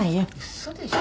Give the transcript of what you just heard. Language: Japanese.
嘘でしょ。